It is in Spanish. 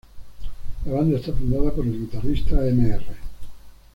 La banda está fundada por el guitarrista Mr.